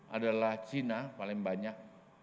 adalah cina paling banyak